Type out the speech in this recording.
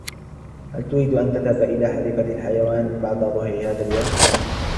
هل تريد أن تذهب إلى حديقة الحيوان بعد ظهر هذا اليوم ؟